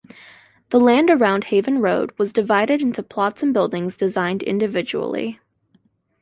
The land around Haven Road was divided into plots and buildings designed individually.